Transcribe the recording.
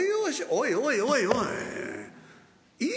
「おいおいおいおい。